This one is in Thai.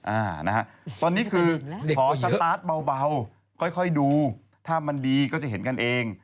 อ่านะฮะตอนนี้คือขอสตาร์ทเบาค่อยดูถ้ามันดีก็จะเห็นกันเอง